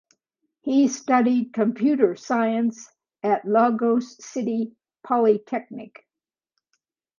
He studied Computer science at Lagos City Polytechnic.